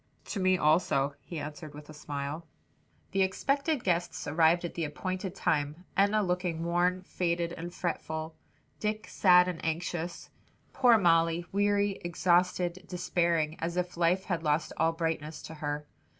"To me also," he answered with a smile. The expected guests arrived at the appointed time, Enna looking worn, faded and fretful, Dick sad and anxious, poor Molly, weary, exhausted, despairing; as if life had lost all brightness to her.